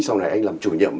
sau này anh làm chủ nhậm